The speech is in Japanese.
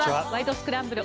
スクランブル」